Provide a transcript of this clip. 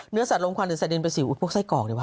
เนื้อสัตว์โรงความหรือสัตว์เดนประสิวอุดพวกไส้กอกดิวะ